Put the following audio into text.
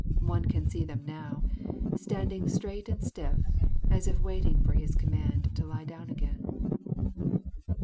One can see them now, standing straight and stiff, as if waiting for his command to lie down again.